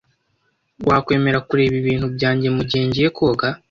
Wakwemera kureba ibintu byanjye mugihe ngiye koga?